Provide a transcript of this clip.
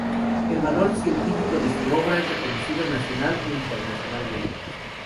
El valor científico de su obra es reconocido nacional e internacionalmente.